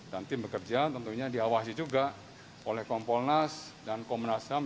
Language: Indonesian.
dan tim bekerja tentunya dihawasi juga oleh kompolnas dan komnas ham